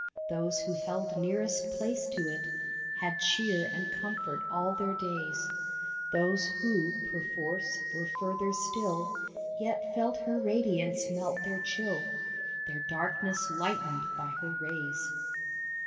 Those who held nearest place to it Had cheer and comfort all their days ; Those who, perforce, were further still Yet felt her radiance melt their chill, Their darkness lightened by her rays.